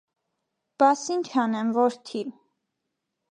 -Բաս ի՞նչ անեմ, որդի: